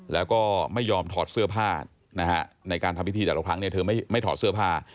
แล้วก็ไม่ยอมถอดเสื้อผ้าในการทำพิธีแต่ละครั้งเธอไม่ถอดเสื้อผ้า